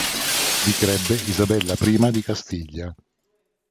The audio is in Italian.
Vi crebbe Isabella I di Castiglia.